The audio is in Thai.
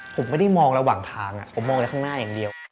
ผมไม่ได้มองระหว่างทางผมมองอะไรข้างหน้าอย่างเดียว